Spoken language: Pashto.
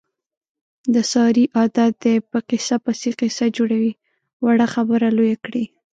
د سارې عادت دی، په قیصه پسې قیصه جوړوي. وړه خبره لویه کړي.